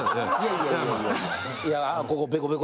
いやここ。